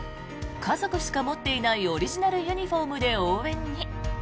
家族しか持っていないオリジナルユニホームで応援に。